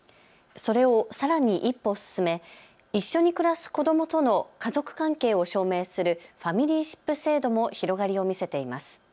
それをさらに一歩進め一緒に暮らす子どもとの家族関係を証明するファミリーシップ制度も広がりを見せています。